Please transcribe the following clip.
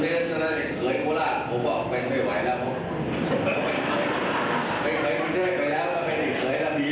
แต่จะเลือกใครก็เลือกตรงนั้นแต่อย่าเลือกทีนี้